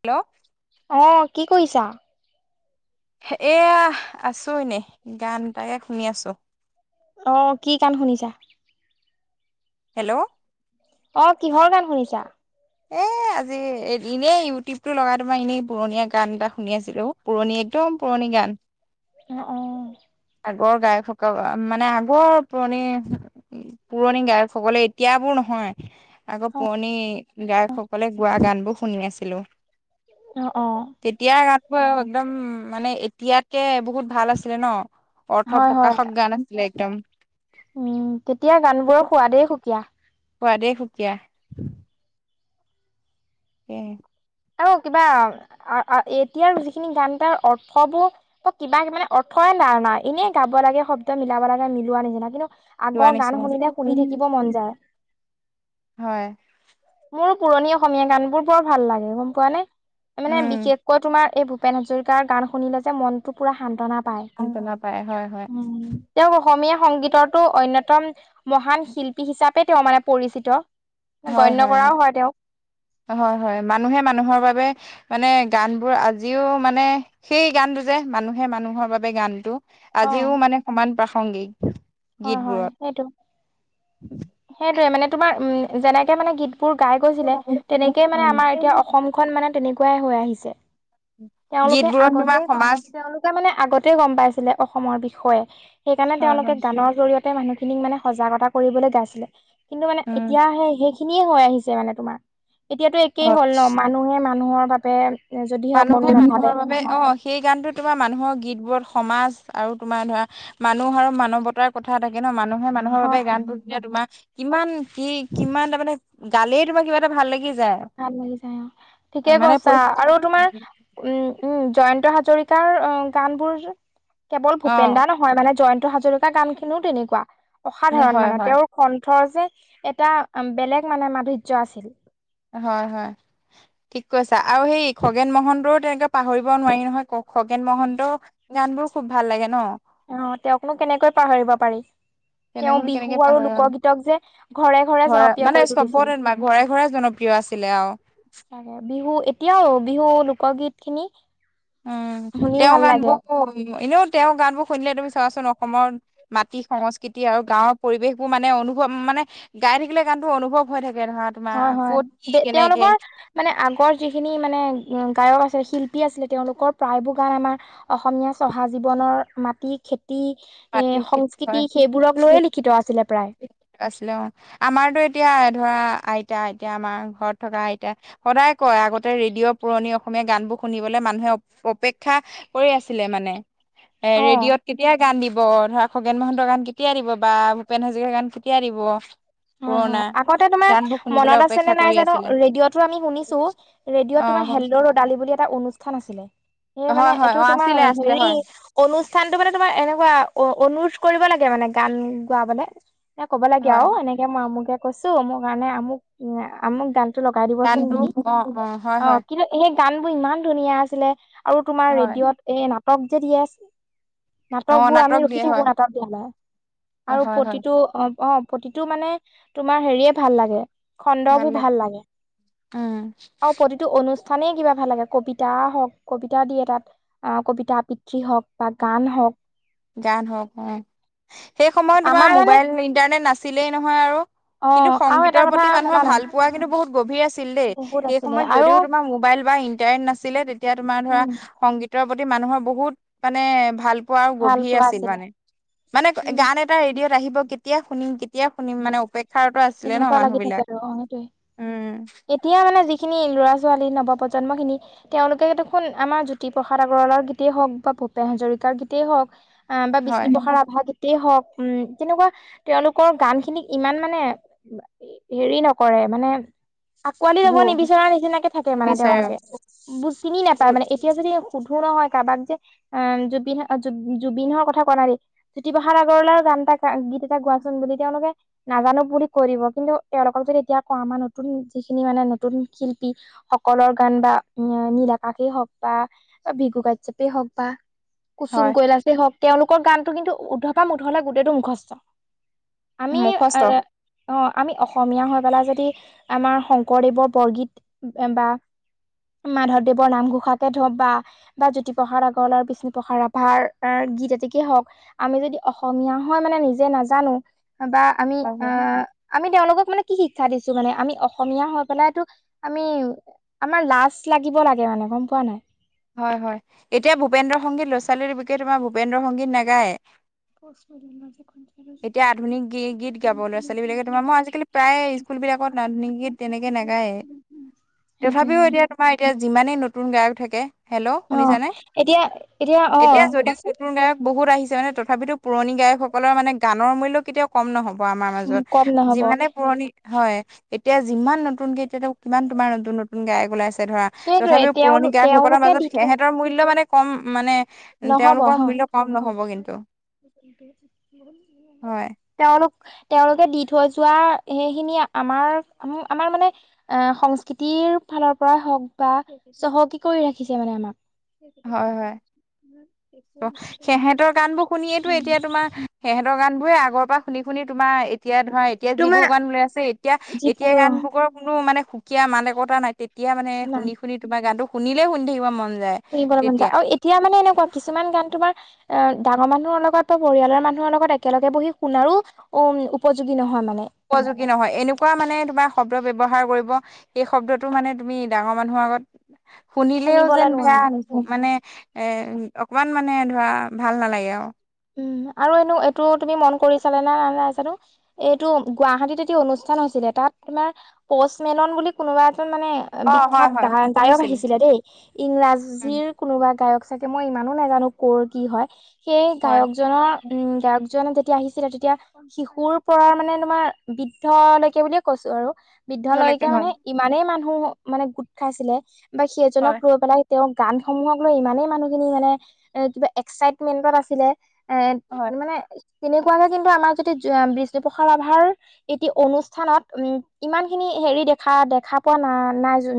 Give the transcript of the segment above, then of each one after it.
Hello আহ, কি কৰিছা? এয়া আছো এনে গান এটাকে শুনি আছোঁ। আহ, কি গান শুনিছা? হেল্ল'। অ', কিহৰ গান শুনিছা? উ। আজি এ এনেই ইউটিউব টো লগাই তোমাৰ এনেই পুৰণীয়া গান এটা শুনি আছিলো। পুৰণি একদম পুৰণি গান। অঁ, অঁ। আগৰ গায়ক সকল, মানে আগৰ পুৰণি পুৰণি গায়কসকলে, এতিয়াৰবোৰ নহয়, আকৌ পুৰণি গায়ক সকলে গোৱা গান বোৰ শুনি আছিলো। অঁ, অঁ। তেতিয়া গানবোৰ একদম মানে এতিয়াতকে বহুত ভাল আছিলে ন'। অৰ্থ হয় হয় প্ৰকাশক গান আছিলে একদম। উম, তেতিয়াৰ গানবোৰৰ সোৱাদেই সুকীয়া। সোৱাদেই সুকীয়া। এ আৰু কিবা, এতিয়াৰ যিখিনি গান তাৰ অৰ্থবোৰ, কিবা মানে অৰ্থ নাই, নাই, নাই, এনে গাব লাগে, শব্দ মিলাব লাগে, মিলোৱাৰ নিচিনা কিন্তু লোৱা আগৰ গান নিচিনা শুনিলে শুনি থাকিব মন যায়। হয় মোৰ পুৰণি অসমীয়া গান বোৰ বৰ ভাল লাগে গম পোৱা নে, মানে উম বিশেষকৈ তোমাৰ এই ভূপেন হাজৰিকাৰ গান শুনিলে যে মনটো পুৰা শান্তনা পাই, গম নাপায় হয় হয় তেওঁ অসমীয়া সংগীতৰটো অন্যতম মহান শিল্পী হিচাপে তেওঁ মানে পৰিচিত, হয় গণ হয়, হয়, মানুহে মানুহৰ বাবে মানে গানবোৰ আজিও মানে, সেই গানটো যে মানুহে মানুহৰ বাবে গানটো অ আজিও মানে সমান প্ৰাসংগিক। হয়, হয়, গীতবোৰত সেইটো, সেইটোয়ে মানে তোমাৰ উ, যেনেকে মানে গীত বোৰ গাই গৈছিলে, তেনেকেই মানে আমাৰ এতিয়া অসমখন মানে তেনেকুৱাই হৈ আহিছে। তেওঁলোকে গীতবোৰত আগতে, তোমাৰ ক সমাজ তেওঁলোকে মানে আগতে গম পাইছিলে অসমৰ বিষয়ে, সেইকাৰণে হয় তেওঁলোকে হয় জৰিয়তে মানুহ খিনিক মানে সজাগতা কৰিবলৈ গাইছিলে, কিন্তু মানে উম এতিয়া সে সেই খিনিয়ে হৈ আহিছে মানে তোমাৰ, এতিয়াতো একেই হয় হ'ল ন', মানুহে মানুহৰ বাবে যদিহে অকণো মানুহে নাভাবে মানুহৰ বাবে, অ' সেই গানটো তোমাৰ মানুহৰ গীতবোৰত সমাজ আৰু তোমাৰ ধৰা মানুহ আৰু মানৱতাৰ কথা থাকে ন' মানুহ মানুহে মানুহৰ হয় বাবে গানবোৰ যেতিয়া তোমাৰ কিমান কি কিমান তাৰমানে গালেই তোমাৰ কিবা এটা ভাল লাগি যায় ভাল লাগি যায়, অ', ঠিকে মানে কৈছা আৰু পৰীক্ষাটো তুম তোমাৰ উম, উম, জয়ন্ত হাজৰিকাৰ গান বোৰ কেৱল অ ভূপেনদা নহয় মানে জয়ন্ত হাজৰিকা গান খিনিও তেনেকুৱা, অসাধাৰণ হয় মানে হয় তেওঁৰ খ ধৰ যে এটা বেলেগ মানে মাধুৰ্য্য আছিল। হয়, হয়, ঠিক কৈছা আৰু সেই খগেন মহন্তও তেনেকে পাহৰিব নোৱাৰি নহয়, কওক খগেন মহন্তৰ গান বোৰ খুব ভাল লাগে ন'। অঁ, তেওঁকনো কেনেকৈ পাহৰিব পাৰি? তেওঁ তেনেবোৰ বিহু কেনেকে আৰু পাহৰি লোকগীতক যে ঘৰে ঘৰে জনপিয় মানে কৰি তুলিছিল। চবতে ঘৰে ঘৰে জনপ্ৰিয় আছিলে অ, তাকে বিহু এতিয়াও বিহু লোকগীত খিনি। উম, [unintelligible] শুনিও তেওঁৰ ভাল গান লাগে বোৰ শুনিলে তুমি চোৱাচোন অসমৰ মাটি সংস্কৃতি আৰু গাঁৱৰ পৰিবেশ বোৰ মানে অনুভৱ মান মানে গাই থাকিলে গান টো অনুভৱ হৈ থাকে। ধৰা তোমাৰ হয়, হয় ক'ত কি কেনেকে তেওঁলোকৰ মানে আগৰ যিখিনি মানে গায়ক আছে শিল্পী। ম, আছিলে তেওঁলোকৰ প্ৰায়বোৰ গান আমাৰ অসমীয়া চহা জীৱনৰ মাটি খেতি। টি, মাটি খেতি সংস্কৃতি সেইবোৰক হয় লৈয়ে লিখিত আছিলে প্ৰায়। আছিলে অ আমাৰতো এতিয়া ধৰা। আইতা আইতা আমাৰ ঘৰত থকা আইতা সদায় কয় আগতে ৰেডিঅ' পুৰণি অসমীয়া গান বোৰ শুনিবলৈ। মানুহে অপেক্ষা কৰি আছিলে মানে। এ, অ ৰেডিঅত কেতিয়া গান দিব ধৰা খগেন মহন্তৰ গান কেতিয়া দিব। বা ভূপেন হাজৰিকা গান কেতিয়া দিব। হয় পুৰণা হয় আগতে তোমাৰ গানবোৰ শুনিবলৈ মনত আছে নে অপেক্ষা নাই কৰি জানো আছিলে ৰেডিঅ'টো আমি শুনিছো ৰেডিঅ' অ তোমাৰ। হেল্ল, ৰ'দালি বুলি এটা অনুষ্ঠান আছিলে। এই, মানে হয় হয় এইটো অ তোমাৰ আছিলে আছিলে হেৰি হয় অনুষ্ঠানতটো মানে তোমাৰ এনেকুৱা অ, অ অনুৰোধ কৰিব লাগে মানে গান গাবলে এ ক'ব লাগে হয় আৰু এনেকে মই আমোকে কৈছো মোৰ কাৰণে আমুক, আমুক গান, গানটো। টো, লগাই দিবচোন গানটো বুলি অ হয় অ, হয় কিন্তু সেই গান বোৰ ইমান ধুনীয়া আছিলে। আৰু তোমাৰ হয় ৰেডি'অত এই নাটক যে দিয়ে আছে। অ নাটক বোৰ আমি ৰখি দিয়ে হয় থাকো নাটক দিয়ালে আৰু হয় হয় প্ৰতিটো। অ, প্ৰতিটো মানে তোমাৰ হেৰিয়ে ভাল লাগে। খণ্ডটো ভাল লাগে উম আৰু প্ৰতিটো অনুষ্ঠান। সানে কিবা ভাল লাগে কবিতা হওঁক কবিতা দিয়ে তাত কবিতা আবৃত্তি হওঁক বা গান হওঁক। গান হওক অ, সেই সময়ত তোমাৰ আমাৰ মানে মোবাইল ইণ্টাৰনেট নাছিলেই নহয় আৰু। অ কিন্তু আৰু এটা সংগীতৰ কথা প্ৰতি জানা মানুহৰ নাই ভাল পোৱা কিন্তু বহুত। গভীৰ বহুত সেই আছিলে সময়ত আৰু যদিও তোমাৰ মোবাইল বা ইন্টাৰনেট নাছিল তেতিয়া তোমাৰ ধৰা উম সংগীত। প্ৰতি মানুহৰ বহুত মানে ভাল পোৱা আৰু গভ ভাল পোৱা আছিলে মানে উম গান এটা ৰেডি'অত আহিব কেতিয়া শুনিম, কেতিয়া শুনিম, মানে অপেক্ষা। এনেকুৱা লাগি থাকে আৰু অ, উম সেইটয়ে এতিয়া মানে যি। যিখিনি ল'ৰা ছোৱালী নৱপ্ৰন্মখিনি তেওঁলোকে দেখোন আমাৰ জ্যোতিপ্ৰসাদ আগৰৱালৰ গীতেই হওক বা ভূপেন হাজৰিকাৰ গিটেই হওক। আহ বা হয় বিচনো প্ৰসাদ ৰাভা গিটেই হক সেইতেই হওক উম তেনেকুৱা তেওঁলোকৰ গান খিনিক ইমান মানে। হেৰি নকৰে মানে। আঁকোৱালি ল'ব গু নিবিচৰা নিচিনাকে থাকে মানে নিবিচাৰে তেওঁলোকে। বু, চিনি নাপায় মানে এতিয়া যদি সুধো নহয়। কাৰাবাক যে জুবিন জুবিন হ কথা কোৱা নাই নেকি জ্যোতিপ্ৰসাদ আগৰৱালাৰও গান এটা গীত এটা গোৱাচোন বুলি তেওঁলোকে নাজানো বুলি কৰিব কিন্তু তেওঁলোকক যদি এতিয়া কওঁ আমাৰ নতুন যিখিনি মানে নতুন শিল্পী সকলৰ গান বা। উ, নীল কাষেই হওক বা ভিবুকাজ্যাপেই হওক বা। কুচুম হয় কৈলাছেই হওক তেওঁলোকৰ গানটো কিন্তু উধৰপা উধলে গোটেইটো মুখস্থ। আমি মুখস্থ আ অ, আমি অসমীয়া হৈ পেলাই যদি আমাৰ শংকৰদেৱৰ বৰগীত বা। মাধৱদেৱৰ নামঘোষাকে ধ বা জ্্যোতিপ্ৰসাদ আগৰৱাৰ বিষ্ণুপ্ৰসাদ ৰাভাৰ। গীত এটিকেই হওঁক আমি যদি অসমীয়া হয় মানে নিজে নাজানো বা আমি। অ, হয় আমি তেওঁলোকক। মানে কি শিক্ষা দিছো মানে আমি অসমীয়া হৈ পেলাইো আমি, আমাৰ লাজ লাগিব লাগে। [unintelligible] হয় হয় এতিয়া ভূপেন্দ্ৰ সংগীত ল'ৰা ছোৱালী বিকয়ে তোমাৰ ভূপেন্দ্ৰ সংগীত নাগায়। পচ মেডিলত এতিয়া আধুনিক গী গীত গাব যে [unintelligible] এইবিলাকত নাদনিকি তেনেকে নাগায়েই, সেইটোৱে তথাপি অ'। এতিয়া তোমাৰ এতিয়া যিমানেই নতুন গায়ক থাকে হেল্ল' অ শুনিছানে? এতিয়া অ এতিয়া যদিও কোৱাচোন হেইবোৰ গায়ক বহুত আহিছে তে মানে তথাপিতো পুৰণি গায়কসকলৰ মানে গানৰ মূল্য কেতিয়াও কম নহ'ব। আমাৰ উ মাজত কম নহব যিমানে পুৰণি, হয়। এতিয়া যিমান নতুনকে এতিয়াতো কিমান তোমাৰ নতুন নতুন গায়ক ওলাইছে ধৰা, সেইটোৱে তথাপিও পুৰণি তেওঁলোক গায়ক কৰ তেওঁলোকে দি মাজত থৈ সিহঁতৰ মূল্য মানে কম মানে নহব তেওঁলোকৰ হা মূল্য কম নহ'ব কিন্তু। হয় তেওঁলোক তেওঁলোকে দি থৈ যোৱা সেইখিনি আমাৰ আমাৰ মানে এ, সংস্কৃতি কিন ফালৰ পৰাই হওক বা চহকী কৰি ৰাখিছে মানে আমাক। সেইকেইদিন [unintelligible] সিহঁতৰ গানবোৰ শুনিয়েতো এতিয়া তোমাৰ সিহঁতৰ গানবোৰে আগৰপৰা শুনি শুনি তোমাৰ এতিয়া ধৰা এতিয়া তোমাৰ যিবোৰ গান ওলাই আছে, এতিয়া এতিয়া যিবোৰ গানবোৰৰ কোনো মানে সুকীয়া মান একতা নাই। এতিয়া মানে নাই শুনি শুনি তোমাৰ গানটো শুনিলে শুনি থাকিব মন যায় শুনিবলৈ মন তেতিয়া যায়। আৰু এতিয়া মানে এনেকুৱা কিছুমান গান তোমাৰ অ' ডাঙৰ মানুহৰ লগত বা পৰিয়ালৰ মানুহৰ লগত একেলগে বহি শুনাৰো উম, উপযোগী নহয় মানে। উপযোগী নহয়, এনেকুৱা মানে তোমাৰ শদ ব্যা ব্যৱহাৰ কৰিব সেই শব্দটো মানে তুমি ডাঙৰ মানুহৰ আগত শুনিলেও শুনিবলৈ যেন বেয়া, নোৱাৰা আনিছে মানে এ, অকমান মানে ধৰা ভাল নালাগে আৰু। উম, আৰু এনেও এইটো তুমি মন কৰিছানে নাযা হেনো, এইটো গুৱাহাটীত এটি অনুষ্ঠান হৈছিলে তাত তোমাৰ প'চমেলন বুলি কোনোবা এ মানে অ হয় বিখ্যাত হয় গা-গায়ক শুনিছিলো আহিছিলে দেই উম ইংৰাজীৰ কোনোবা গায়ক। ছাগে মই ইমানো নাজানো ক'ৰ কি হয়, সেই হয় গায়কজনৰ উ, গায়ক জন যেতিয়া আহিছিলে তেতিয়া শিশুৰ পৰা মানে তোমাৰ বৃদ্ধলৈকে বুলিয়ে কৈছোঁ আৰু। বৃদ্ধলৈকে পিছলৈকে হয় মানে ইমানেই মানুহ মানে গোট খাইছিলে বা সি এজনক হয় ৰৈ পেলাই তেওঁৰ গানসমূহকলৈ ইমানেই মানুহখিনি মানে এ, কিবা এক্সাইটমেন্টত আছিলে। এ, হয় মানে তেনেকুৱাকে কিন্তু আমাৰ যদি বিষ্ণুপ্ৰসাদ ৰাভাৰ এটি অনুষ্ঠানত উম, ইমানখিনি হেৰি দেখা-দেখা পোৱা না-নাই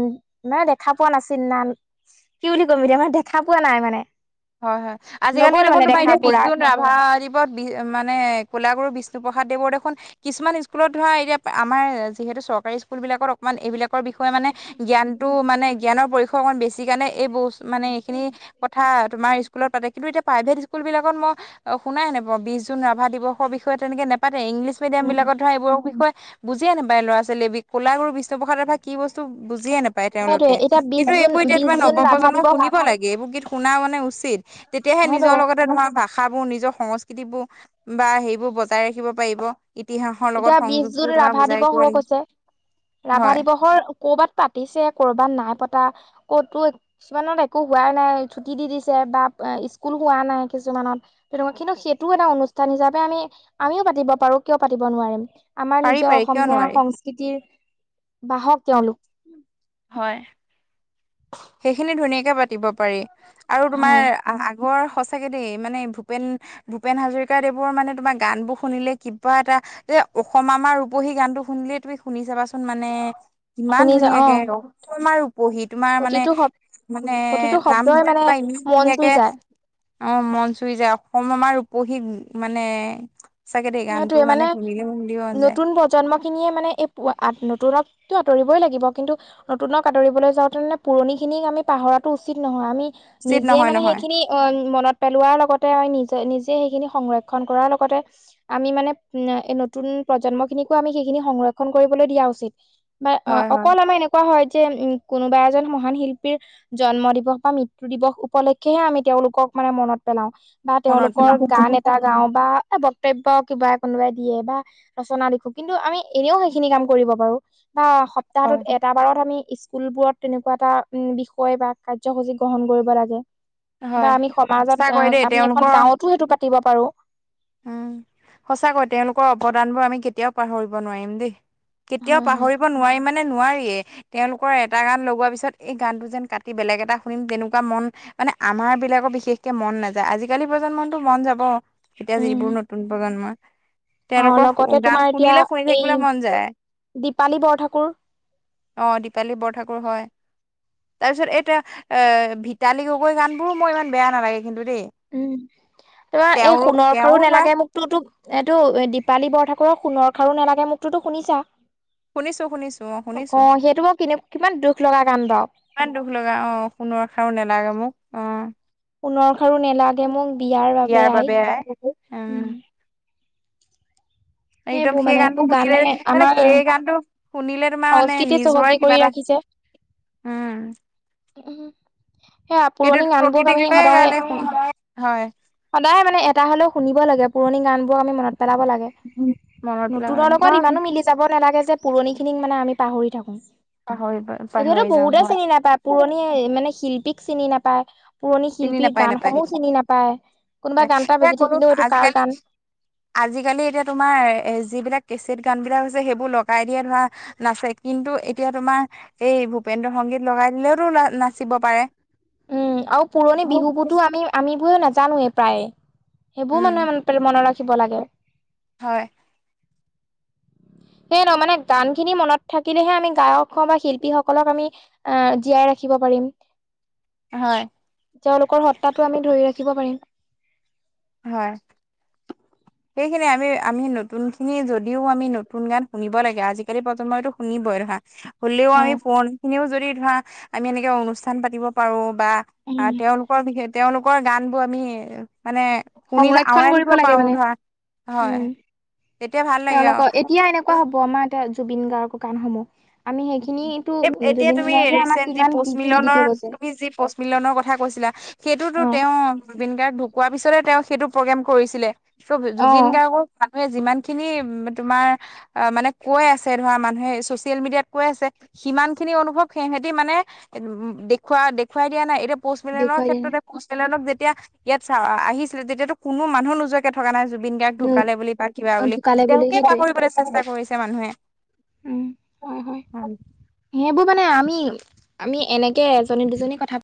নে দেখা পোৱা নাছিল না। কি বুলি ক'ম এতিয়া আমাৰ দেখা পোৱা নাই মানে। হয় হয়। আজিকালি নগ'ল দেখোন মানে তোমাৰ দেখা এয়া পুৰা বিষ্ণু ৰাভা আদি বি মানে কোলাগুৰু বিছ বিষ্ণুপ্ৰসাদ দেৱৰ দেখোন কিছুমান স্কুলত ধৰা এতিয়া আমাৰ যিহেতু চৰকাৰী স্কুলবিলাকত অকমান এইবিলাক বিষয়ে মানে জ্ঞানটো মানে জ্ঞানৰ পৰিসয় অকণ বেছি। সি কাৰণে এই ব মানে এইখিনি কথা আমাৰ স্কুলত পাতে কি এতিয়া প্ৰাইভেট স্কুলবিলাকত মই অ' শুানাই নাই, বিশ জুন ৰাভা দিৱসৰ বিষয়ে তেনেকে নেপাত এ, ইংলছ উম মিডিয়ামবিলাকত ধৰা এইবোৰৰ বিশয়ে বুজিয়া নাপাই ল'ৰা ছোৱালী, কলাগুৰু বিষ্ণুপ্ৰসাদ ৰাভা কি বস্তু বুজিয়ে নাপায়, তেওঁলোকে সেইটোয়ে এতিয়া বিশ কিন্তু জুন এইবোৰ এতিয়া বিশ তোমাৰ জুন ৰাভা নৱপ্ৰজন্মই দিৱস শুনিব লাগে। এইবোৰ গীত শুনা মানে উচিত, তেতিয়াহে হেল্ল' নিজৰ লগতে ধৰা ভাষ ভাষাবোৰ, নিজৰ সংস্কৃতিবোৰ বা সেইবোৰ বজাই ৰাখিব পাৰিব। ইতিহাসৰ লগত এতিয়া বিশ জুন সংযোগবোৰ তোমাৰ ৰাভা বজাই দিৱস ৰাখিব হৈ লাগিব গৈছে, ৰাভা হয় দিৱসৰ ক'ৰবাত পাতিছে, কৰ'বাত নাই পতা, ক'তো কিছুমানত একো হোৱাই নাই, ছুটি দি দিছে বা স্কুল হোৱা নাই, কিছুমানত তেনেকুৱা কিন্তু সেইটোও এটা অনুষ্ঠান হিচাপে আমি আমিও পাতিব পাৰোঁ কিয় পাতি তিপ নোৱাৰিম। আমাৰ পাৰি নিজৰ পাৰি কিয় অসমীয়া নোৱাৰি সংস্কৃতিৰ বাহক তেওঁলোক। হয় সেইখিনি ধুনীয়াকে পাতিব পাৰি আৰু তোমাৰ হয় আ বৰ সঁচাকৈ দেই মানে ভূপেন ভূপেন হাজৰিকাদেৱৰ মানে তোমাৰ গানবোৰ শুনিলে কিবা এটা এ, অসম আমাৰ ৰূপহী গানটো শুনিলে তুমি শুনি চাবাচুন। কোন মানে, কিমান শুনি যা অ ধুনীয়াকে অসমাৰ উপহিত তমাৰ মানে, প্ৰতিটো শব্দ মানে, প্ৰতিটো নাম শব্দই কৰি মানে বা ইমান মন চুই ধুনীয়াকে যায় অ', মন‌ চুই যায়, অসম আমাৰ ৰূপহী মানে সঁচাকে দেই গানটো সেইটোয়ে মানে, শুনিলে মন দিব মন যায় নতুন প্ৰজন্ম খিনিয়ে মানে এই নতুনক তো আঁতৰিবই লাগিব, কিন্তু নতুনক আদৰিবলৈ যাওঁতে পুৰণি খিনিক আমি পাহৰা তো উচিত নহয়, আমি চিত নিজে নহয় মানে নহয় সেইখিনি, অ', মনত পেলোৱাৰ লগতে নিজে সেইখিনি সংৰক্ষণ কৰাৰ লগতে আমি মানে, নতুন প্ৰজন্ম খিনিকো আমি সেইখিনি সংৰক্ষণ কৰিবলৈ দিয়া উচিত। বা অ', হয় হয় অকল আমাৰ এনেকুৱা হয় যে, উম কোনোবা এজন মহান শিল্পীৰ জন্ম দিৱস বা মৃত্যু দিৱস উপলক্ষেহে আমি তেওঁলোকক মানে মনত পেলাওঁ, বা মনত তেওঁলোকৰ পেলাও গান এটা গাওঁ বা বক্তব্য কিবা কোনোবাই দিয়ে বা ৰচনা লেখোঁ, কিন্তু আমি এনেও সেইখিনি কাম কৰিব পাৰোঁ। বা সপ্তাহটোত হয় এটা বাৰত আমি স্কুলবোৰত তেনেকুৱা এটা উ, বিষয় বা কাৰ্যসূচী গ্ৰহণ কৰিব লাগে। বা হয় আমি সমাজত, সঁচাকৈ দেই আমি এখন তেওঁলোকৰ গাঁৱতো সেইটো পাতিব পাৰোঁ। উম, সঁচাকৈ তেওঁলোকৰ অৱদানবোৰ আমি কেতিয়াও পাহৰিব নোৱাৰিম দেই। কেতিয়াও হয় হয় পাহৰিব নোৱাৰিম মানে নোৱাৰিয়ে তেওঁলোকৰ এটা গান লগোৱাৰ পিছত এই গানটো যেন কাটি বেলেগ এটা শুনিম তেনেকুৱা মন মানে আমাৰ বিলাকৰ বিশেষকে মন নাযায়, আজিকালি প্ৰজন্মতো মন যাব এতিয়া উম যিবোৰ নতুন প্ৰজন্ম অ তেওঁলোকৰ লগতে গান তোমাৰ এতিয়া শুনিলে শুনি এই থাকিবলৈ মন যায়। দীপালী বৰঠাকুৰ অ', দীপালী বৰঠাকুৰ হয়। তাৰপিছত, এতিয়া, এ, ভিতালী গগৈ গানবোৰো মই ইমান বেয়া নালাগে। কিন্তু দেই, উম তোমাৰ এই তেওঁৰ সোণৰ খাৰু নালাগে মোকতোতো, এইটো দীপালী বৰঠাকুৰৰ সোণৰ খাৰু নালাগে মোকতোতো শুনিছা? শুনিছো শুনিছো শুনিছো অ', সেইটো মই কিমান দুখ লগা গান বাৰু ইমান দুখ লগা, অ', সোণৰ খাৰু নালাগে মোক অ' সোণৰ খাৰু নেলাগে মোক বিয়াৰ বাবে আই, উম একদম সেইবোৰ সেই মানে গানটো এইবোৰ গানে শুনিলে, মানে আমাৰ সেই গানটো শুনিলে তোমাৰ মানে সংস্কৃতি নিজৰে চহকী কৰি কিবা এটা, ৰাখিছে। উম উম, সেয়া পুৰণি সেইটোতো গানবোৰক প্ৰকৃতিক আমি লৈয়ে সদায় গালে হয় সদায় মানে এটা হ'লেও শুনিব লাগে। পুৰণি গান বোৰ আমি মনত পেলাব লাগে, মনত পেলাব নতুনৰ লাগে লগত ইমান মই ও মিলি যাব নালাগে যে পুৰণি খিন মানে আমি পাহৰি থাকোঁ, পাহৰি এতিয়াতো পাহৰি যাওঁ বহুতে হয় চিনি নাপায়, পুৰণি মানে শিল্পী চিনি নাপায়। পুৰণি চিনি শিল্পীৰ নাপায় নাপায় গানসমূহ চিনি নাপায়, কোনোবা পায় গান এটা এতিয়া বাজি কোনো থাকিলেও এইটো কাৰ আজিকালি গান আজিকালি এতিয়া তোমাৰ এ যিবিলাক গান বিলাক হৈছে সেইবোৰ লগাই দিয়ে ধৰা নাচে, কিন্তু এতিয়া তোমাৰ এই ভূপেন্দ্ৰ সংগীত লগাই দিলেওটো নাচিব পাৰে। উম, আৰু পুৰণি উম বিহুবোৰতো আমি, আমিবোৰ নাজানোৱে প্ৰায়ে সেইবোৰ মানুহে মনত ৰাখিব লাগে। হয়। সেই নহৈ মানে গান খিনি মনত থাকিলেহে আমি গায়ক হওঁ, বা শিল্পী সকলক আমি জীয়াই ৰাখি ৰাখিব পাৰিম। হয়। তেওঁলোকৰ সত্বাটো আমি ধৰি ৰাখিব পাৰিম। হয়। সেইখিনি আমি, আমি নতুন খিনি যদিও আমি নতুন গান শুনিব লাগে আজিকালি প্ৰজন্মইতো শুনিবই ধৰা, হ'লেও আমি হয়। পুৰণিখিনিও যদি ধৰা, আমি এনেকে অনুষ্ঠান পাতিব পাৰোঁ বা, উম তেওঁলোকৰ বিষয়, তেওঁলোকৰ গান বোৰ আমি মানে শুনি সংৰক্ষণ আওৰাই কৰিব থাকিব লাগে পাৰোঁ মানে ধৰা। হয় উম, তেতিয়া ভাল লাগে আৰু তেওঁলোকৰ এতিয়া এনেকুৱা হ'ব আমাৰ এ জুবিন গাৰ্গৰ গানসমূহ। আমি সেইখিনিটো এতিয়া জুবিন তুমি গাৰ্গে আমাক ৰিচেন্ট যি কিমান কি পষ্ট কি দি থৈ মিলনৰ, গৈছে তুমি যি পষ্ট মিলনৰ কথা কৈছিলা। সেইটোতো অ তেওঁ জুবিন গাৰ্গ ঢুকোৱাৰ পিছতে তেওঁ সেইটো প্ৰগ্ৰেম কৰিছিলে, ত' অ জুবিন গাৰ্গৰ ভাল মানুহে যিমানখিনি তোমাৰ অহ, মানে কৈ আছে ধৰা মানুহে চচিয়েল মিডিয়াত কৈ আছে সিমানখিনি অনুভৱ সিহতি মানে উম, দেখুৱা-দেখুৱাই দিয়া নাই। এতিয়া পষ্ট মেলনৰ দেখুৱাই দিয়া নাই ক্ষেত্ৰতে পষ্ট মেলনক যেতিয়া ইয়াত আহিছিলে তেতিয়াতো কোনো মানুহ নোজোৱাকে থকা নাই জুবিন জুবিন গাৰ্গ উম ঢুকালে বুলি বা কিবা অ বুলি ঢুকালে তেওঁকে সেইটোৱে পাহৰিবলৈ চেষ্টা কৰিছে মানুহে। উম। হয়। সেইবোৰ মানে আমি, আমি এনেকে এজনী দুজনী কথা পা